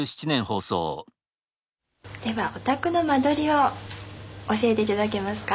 ではお宅の間取りを教えて頂けますか？